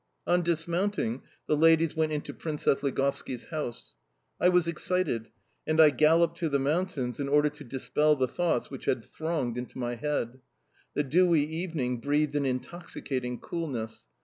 On dismounting, the ladies went into Princess Ligovski's house. I was excited, and I galloped to the mountains in order to dispel the thoughts which had thronged into my head. The dewy evening breathed an intoxicating coolness.